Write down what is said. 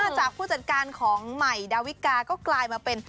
จากผู้จัดการของใหม่ดาวิกาก็กลายมาเป็น